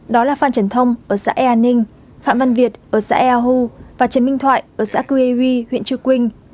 đó là phan trần thông ở xã ea ninh phạm văn việt ở xã ea hu và trần minh thoại ở xã qav huyện chư quynh